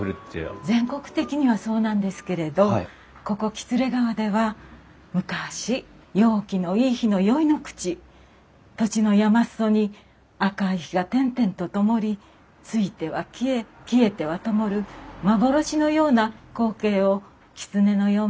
全国的にはそうなんですけれどここ喜連川では昔陽気のいい日の宵の口土地の山裾に赤い火が点々とともりついては消え消えてはともる幻のような光景を「きつねの嫁入り」といったそうです。